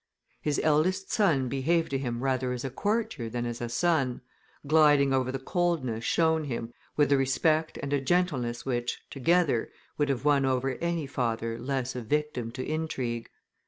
"His eldest son behaved to him rather as a courtier than as a son, gliding over the coldness shown him with a respect and a gentleness which, together, would have won over any father less a victim to intrigue.